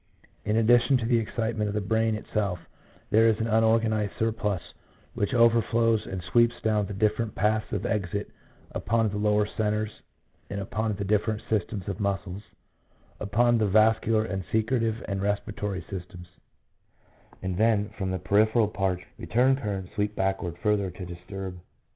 In addition to the excitement of the brain itself, there is an unorganized surplus which "overflows " and "sweeps down the different paths of exit upon the lower centres and upon the different systems of muscles, upon the vascular and secretive and respiratory systems ; and then, from the peripheral parts, return currents sweep backward further to disturb the 1 W.